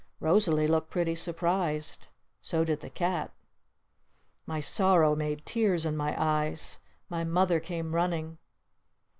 Rosalee looked pretty surprised. So did the cat. My sorrow made tears in my eyes. My Mother came running.